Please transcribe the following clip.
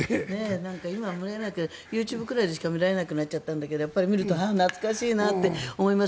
今ＹｏｕＴｕｂｅぐらいでしか見られなくなっちゃったんだけど見ると懐かしいなと思います